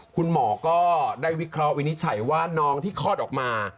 คุณหมอก็ได้วิเคราะห์วินิจฉัยว่าน้องที่คลอดออกมา